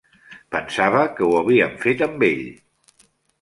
Pensava que ho havíem fet amb ell.